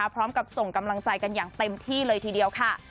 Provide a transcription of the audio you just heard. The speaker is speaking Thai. พร้อมกับส่งกำลังใจกันอย่างเต็มที่เลยทีเดียวค่ะ